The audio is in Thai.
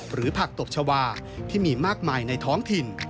หรือผักตบชาวาที่มีมากมายในท้องถิ่น